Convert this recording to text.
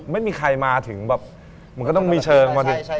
ไม่มีใครมาถึงแบบมันก็ต้องมีเชิงมาดิ